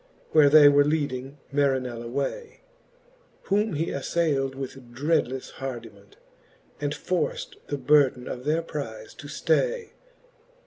Where they were leading Marinell away, Whom he aflayld with dreadlefle hardiment, And forft the burden of their prize to ftay.